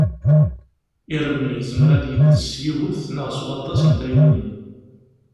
Irem yezmer ad yeddes s yiwet neɣ s waṭas n tayunin.